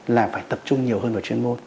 là phải tập trung nhiều hơn vào chuyên môn